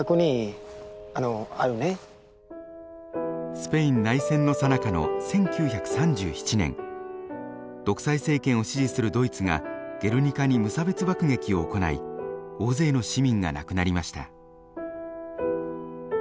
スペイン内戦のさなかの１９３７年独裁政権を支持するドイツがゲルニカに無差別爆撃を行い大勢の市民が亡くなりました。